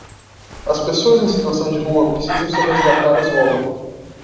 As pessoas em situação de rua precisam ser resgatadas logo